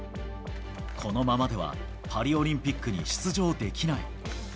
このままではパリオリンピックに出場できない。